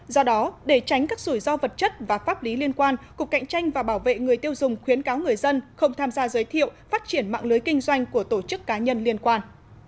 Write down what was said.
do đó để tránh các rủi ro vật chất và pháp lý liên quan cục cạnh tranh và bảo vệ người tiêu dùng khuyến cáo người dân không tham gia giới thiệu phát triển mạng lưới kinh doanh của tổ chức cá nhân liên quan